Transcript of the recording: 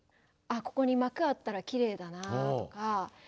ああここに幕あったらきれいだなとか。